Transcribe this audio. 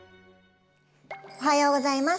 おはようございます。